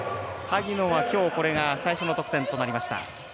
萩野はきょうこれが最初の得点となりました。